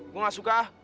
gue gak suka